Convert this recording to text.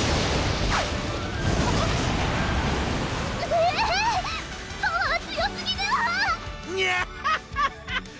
えぇ⁉パワー強すぎでは⁉ギャハハハ！